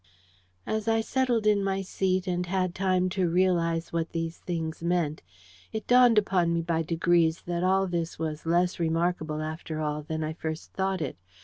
As I settled in my seat and had time to realise what these things meant, it dawned upon me by degrees that all this was less remarkable, after all, than I first thought it.